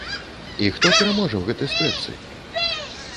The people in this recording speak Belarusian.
І хто пераможа ў гэтай спрэчцы?